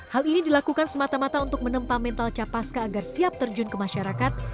hal ini dilakukan semata mata untuk menempa mental capaska agar siap terjun ke masyarakat